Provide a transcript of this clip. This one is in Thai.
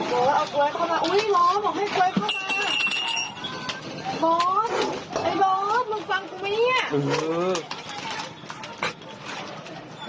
บอฟไอ้บอฟมึงฟังกูไหม